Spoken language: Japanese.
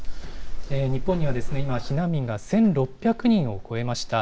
日本には今、避難民が１６００人を超えました。